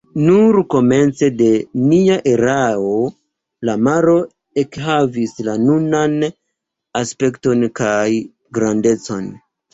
Nur komence de nia erao la maro ekhavis la nunan aspekton kaj grandecon.